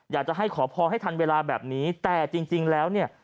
อยากจะให้ขอพรให้ทันเวลาแบบนี้แต่จริงแล้วเนี่ย